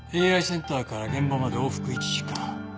ＡＩセンターから現場まで往復１時間。